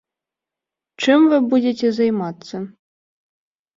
Чым вы будзеце займацца?